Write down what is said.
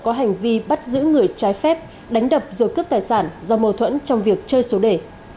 có hành vi bắt giữ người trái phép đánh đập rồi cướp tài sản do mâu thuẫn trong việc chơi số đề